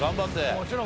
もちろん。